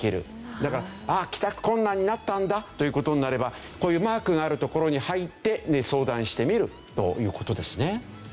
だから帰宅困難になったんだという事になればこういうマークがある所に入って相談してみるという事ですね。